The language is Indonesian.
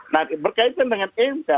nah berkaitan dengan mk